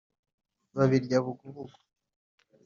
Babirya bugubugu